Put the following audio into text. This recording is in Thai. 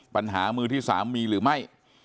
ปัญหามือที่สาวมีหรือไม่